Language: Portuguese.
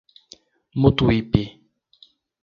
Mutuípe